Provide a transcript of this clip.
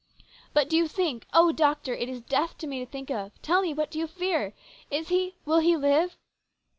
" But do you think oh, doctor, it is death to me to think of tell me, what do you fear ? Is he will he live?"